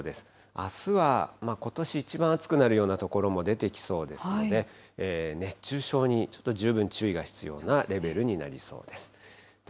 あすはことし一番暑くなるような所も出てきそうですので、熱中症に、ちょっと十分注意が必要なレベルになりそうです。